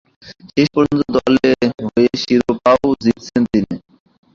শেষ পর্যন্ত দলের হয়ে শিরোপাও জিতেছেন তিনি।